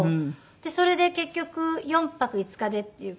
それで結局４泊５日でっていうか。